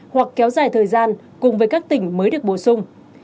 hoặc kéo dài thời gian cùng với các tỉnh mới được bổ sung